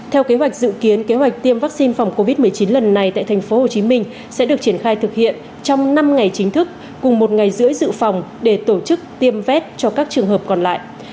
theo kế hoạch dự kiến kế hoạch tiêm vaccine phòng covid một mươi chín lần này tại tp hcm sẽ được triển khai thực hiện trong năm ngày chính thức cùng một ngày rưỡi dự phòng để tổ chức tiêm vét cho các trường hợp còn lại